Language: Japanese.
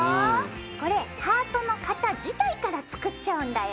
これハートの型自体から作っちゃうんだよ！